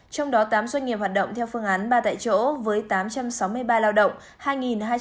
trong đó tám doanh nghiệp hoạt động theo phương án ba tại chỗ với tám trăm sáu mươi ba lao động